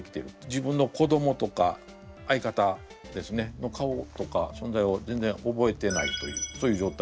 自分の子どもとか相方の顔とか存在を全然覚えてないというそういう状態なんですね。